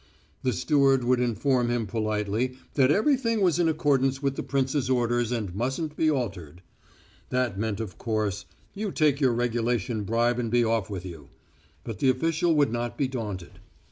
The steward would inform him politely that everything was in accordance with the prince's orders and mustn't be altered. That meant, of course You take your regulation bribe and be off with you. But the official would not be daunted.